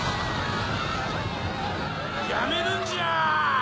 やめるんじゃ！